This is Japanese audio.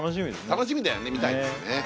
楽しみだよね観たいですね。